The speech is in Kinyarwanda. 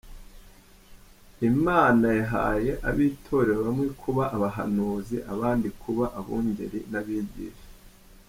Imana yahaye ab’Itorero bamwe kuba abahanuzi, abandi kuba abungeri n’abigisha.